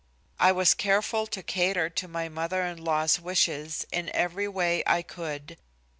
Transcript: I was careful to cater to my mother in law's wishes in every way I could.